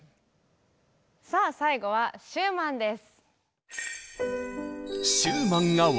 さあ最後はシューマンです。